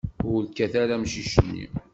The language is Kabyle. Ur kkat ara amcic-nni!